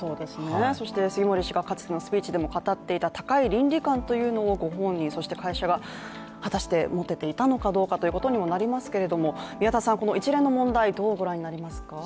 そして、杉森氏がかつてのスピーチでも語っていた高い倫理観というのをご本人、会社が果たして持てていたのかどうかということにもなりますけれどもこの一連の問題、どうご覧になりますか。